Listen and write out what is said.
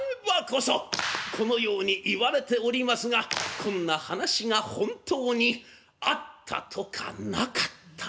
このように言われておりますがこんな話が本当にあったとかなかったとか。